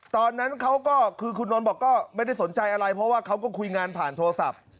ตอนนั้นเขาก็คือคุณนนท์บอกก็ไม่ได้สนใจอะไรเพราะว่าเขาก็คุยงานผ่านโทรศัพท์